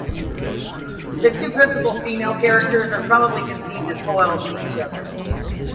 The two principal female characters are probably conceived as foils to each other.